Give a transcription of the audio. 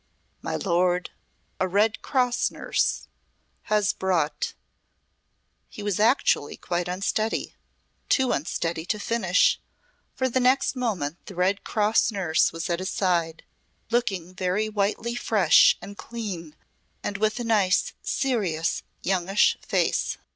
"My lord a Red Cross nurse has brought" he was actually quite unsteady too unsteady to finish, for the next moment the Red Cross nurse was at his side looking very whitely fresh and clean and with a nice, serious youngish face.